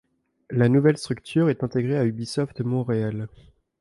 La nouvelle structure est intégrée à Ubisoft Montréal.